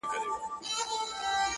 مفلس یا بې دندي